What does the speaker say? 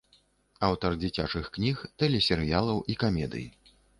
Аўтар дзіцячых кніг, тэлесерыялаў і камедый.